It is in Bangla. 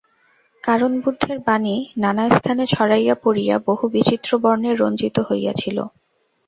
কারণ বুদ্ধের বাণী নানা স্থানে ছড়াইয়া পড়িয়া বহু বিচিত্র বর্ণে রঞ্জিত হইয়াছিল।